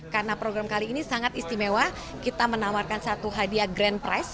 karena program kali ini sangat istimewa kita menawarkan satu hadiah grand prize